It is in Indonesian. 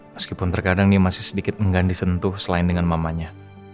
meskipun terkadang dia masih sedikit menggandi sentuh selain dengan mamanya